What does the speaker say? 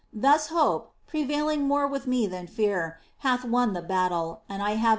Thus i J e, prevailing more with me than fear, hath won the battle, and I have oi > MSS.